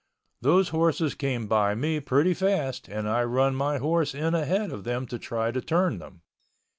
Those horses came by me pretty fast and I run my horse in ahead of them to try to turn them.